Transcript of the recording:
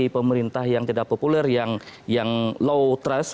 jadi pemerintah yang tidak populer yang low trust